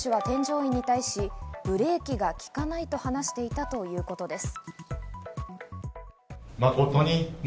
事故直前、運転手は添乗員に対し、ブレーキが利かないと話していたということです。